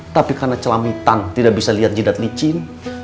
tapi karena celamitan tidak bisa lihat jidat licin